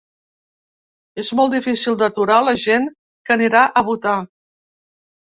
És molt difícil d’aturar la gent que anirà a votar.